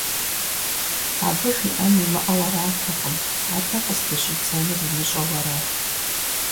Абы жиӀэн имыӀэу аратэкъым, атӀэ къыздыщӀидзэнур имыщӀэу арат.